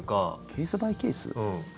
ケース・バイ・ケース？